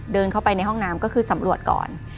เดินเข้าไปในห้องน้ำก็คือสำรวจก่อน